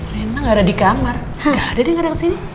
rena gak ada di kamar gak ada deh kadang kadang ke sini